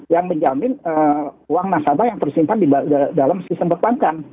yang menjamin uang nasabah yang tersimpan di dalam sistem perbankan